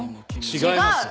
違います。